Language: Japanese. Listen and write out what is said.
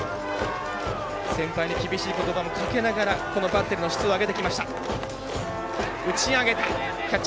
先輩に厳しいことばをかけながらバッテリーの質を上げてきました。